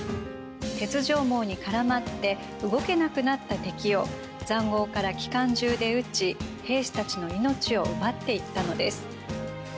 鉄条網に絡まって動けなくなった敵を塹壕から機関銃で撃ち兵士たちの命を奪っていったのです。